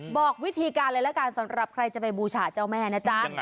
บอกวิธีการเลยละกันสำหรับใครจะไปบูชาเจ้าแม่นะจ๊ะ